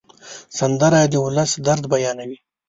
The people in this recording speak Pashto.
سندره د ولس درد بیانوي